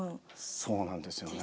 そうなんですよね。